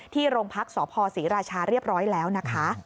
โรงพักษพศรีราชาเรียบร้อยแล้วนะคะ